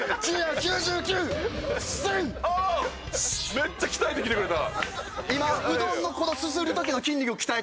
めっちゃ鍛えてきてくれた。